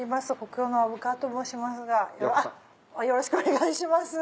よろしくお願いします。